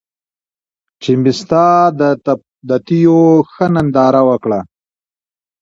چې مې ستا د تېو ښه ننداره وکــړه